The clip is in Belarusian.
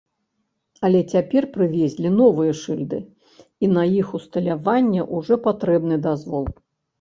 Але цяпер прывезлі новыя шыльды, і на іх усталяванне ўжо патрэбны дазвол.